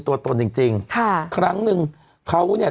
ตอนต่อไป